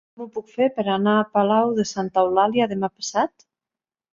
Com ho puc fer per anar a Palau de Santa Eulàlia demà passat?